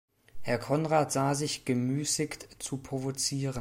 Herr Konrad sah sich gemüßigt zu provozieren.